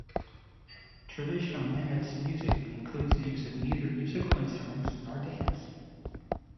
Traditional Nenets music includes the use of neither musical instruments nor dance.